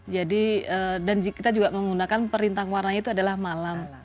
jadi dan kita juga menggunakan perintah warnanya itu adalah malam